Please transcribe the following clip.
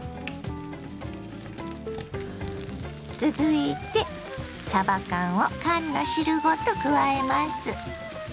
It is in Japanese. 続いてさば缶を缶の汁ごと加えます。